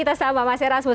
gitu mbak fandi